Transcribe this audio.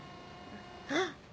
あっ。